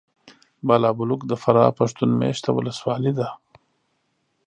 بالابلوک د فراه پښتون مېشته ولسوالي ده .